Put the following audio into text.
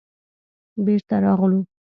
بېرته راغلو.